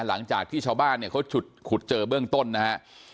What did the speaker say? หลังจากที่ชาวบ้านเนี่ยเขาขุดเจอเบื้องต้นนะฮะ